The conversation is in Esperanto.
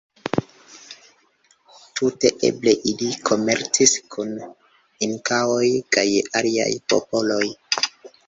Tute eble ili komercis kun Inkaoj kaj aliaj popoloj.